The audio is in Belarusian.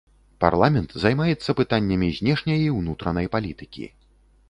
Парламент займаецца пытаннямі знешняй і ўнутранай палітыкі.